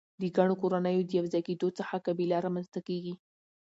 د ګڼو کورنیو د یو ځای کیدو څخه قبیله رامنځ ته کیږي.